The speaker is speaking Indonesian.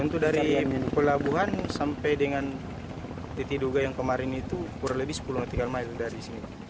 untuk dari pulau abuhan sampai dengan titik duga yang kemarin itu kurang lebih sepuluh tiga mil dari sini